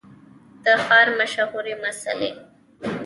د ښار مشهورې مسلۍ